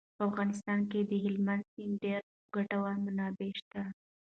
په افغانستان کې د هلمند سیند ډېرې ګټورې منابع شته.